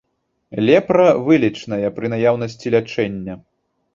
Лепра вылечная, пры наяўнасці лячэння.